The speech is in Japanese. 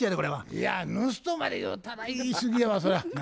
いや盗人まで言うたら言いすぎやわそれは。何？